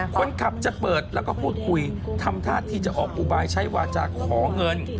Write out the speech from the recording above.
คนขับจะเปิดแล้วก็พูดคุยทำท่าที่จะออกอุบายใช้วาจาขอเงิน